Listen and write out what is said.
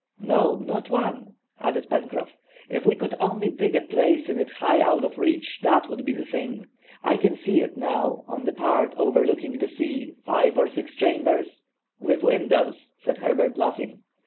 "No, not one!" added Pencroff. "If we could only dig a place in it high out of reach, that would be the thing! I can see it now, on the part overlooking the sea, five or six chambers—" "With windows!" said Herbert, laughing.